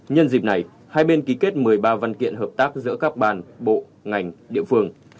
nhân dịp này hai bên ký kết một mươi ba văn kiện hợp tác giữa các bàn bộ ngành địa phương